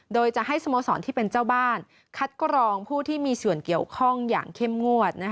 โดยจะให้สโมสรที่เป็นเจ้าบ้านคัดกรองผู้ที่มีส่วนเกี่ยวข้องอย่างเข้มงวด